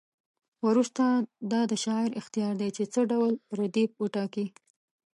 وروسته دا د شاعر اختیار دی چې څه ډول ردیف وټاکي.